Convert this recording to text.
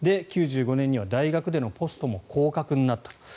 ９５年には大学でのポストも降格になった。